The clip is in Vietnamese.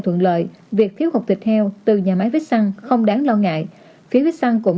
thuận lợi việc thiếu hộp thịt heo từ nhà máy vết xăng không đáng lo ngại phía vết xăng cũng